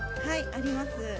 はいあります。